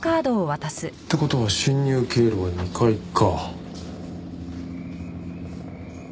って事は侵入経路は２階か？